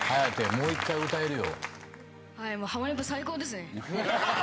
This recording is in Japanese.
もう１回歌えるよ。